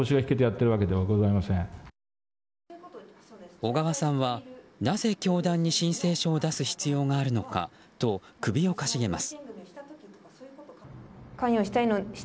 小川さんはなぜ教団に申請書を出す必要があるのかと首をかしげます。